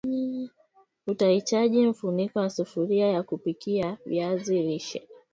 Utahitaji mfuniko wa sufuria ya kupikia viazi lishe